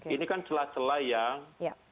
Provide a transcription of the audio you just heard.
ini kan celah celah yang